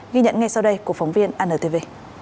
ghi nhận ngay sau đây của phóng viên antv